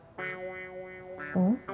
うん？